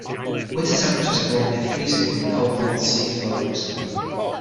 Winter temperatures are brought near freezing from the cold North Sea flows.